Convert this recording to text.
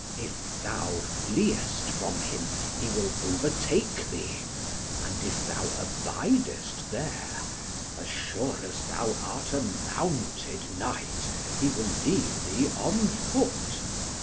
If thou fleest from him he will overtake thee, and if thou abidest there, as sure as thou art a mounted knight, he will leave thee on foot.